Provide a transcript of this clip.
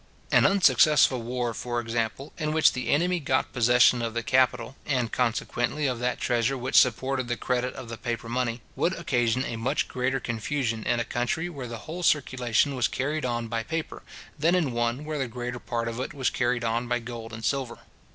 An unsuccessful war, for example, in which the enemy got possession of the capital, and consequently of that treasure which supported the credit of the paper money, would occasion a much greater confusion in a country where the whole circulation was carried on by paper, than in one where the greater part of it was carried on by gold and silver.